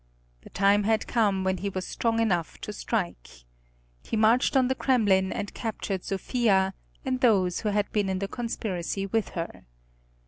The time had come when he was strong enough to strike. He marched on the Kremlin and captured Sophia and those who had been in the conspiracy with her.